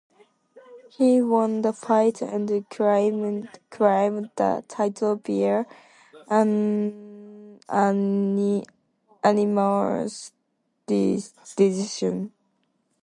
He won the fight and claimed the title via unanimous decision.